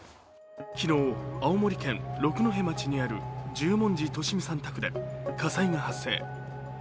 昨日、青森県六戸町にある十文字利美さん宅で火災が発生。